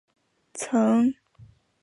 曾任中国人民志愿军炮兵司令员。